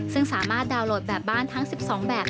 ซึ่งสามารถดาวน์โหลดแบบบ้านทั้ง๑๒แบบ